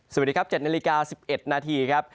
สวัสดีครับ๗นาฬิกา๑๑นาทีครับ